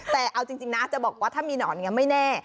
แต่เอาจริงนะจะบอกว่าถ้ามีหนอนอย่างนี้ไม่แน่